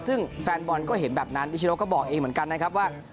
ซึ่งแฟนบอลก็เห็นแบบนั้นนิชโนก็บอกเองเหมือนกันนะครับว่า